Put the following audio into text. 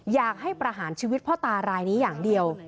อยากให้ประหารชีวิตพ่อตารายนี้อย่างเดียว